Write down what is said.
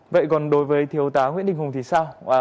vậy còn đối với thiếu tá nguyễn đình hùng thì sao